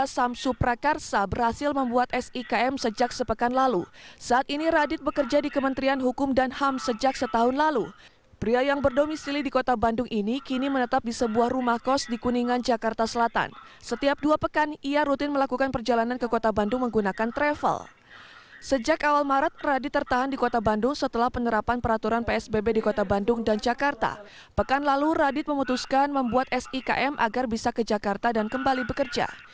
dia samsu prakarsa berhasil membuat sikm sejak sepekan lalu saat ini radit bekerja di kementerian hukum dan ham sejak setahun lalu pria yang berdomisili di kota bandung ini kini menetap di sebuah rumah kos di kuningan jakarta selatan setiap dua pekan ia rutin melakukan perjalanan ke kota bandung menggunakan travel sejak awal maret radit tertahan di kota bandung setelah penerapan peraturan psbb di kota bandung dan jakarta pekan lalu radit memutuskan membuat sikm agar bisa ke jakarta dan kembali bekerja